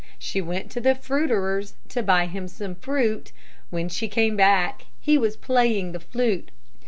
She went to the fruiterer's To buy him some fruit; When she came back He was playing the flute.